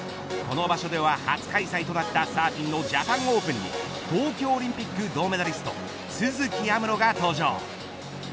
この場所では初開催となったサーフィンのジャパンオープンに東京オリンピック銅メダリスト都築有夢路が登場。